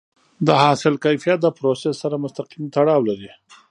د حاصل کیفیت د پروسس سره مستقیم تړاو لري.